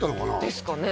ですかね？